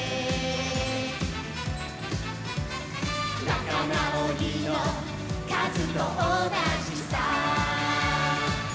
「なかなおりのかずとおなじさ」